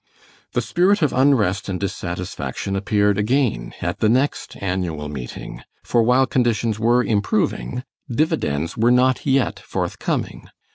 The spirit of unrest and dissatisfaction appeared again at the next annual meeting, for while conditions were improving, dividends were not yet forthcoming.